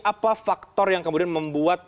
apa faktor yang kemudian membuat